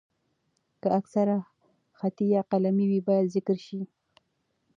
که اثر خطي یا قلمي وي، باید ذکر شي.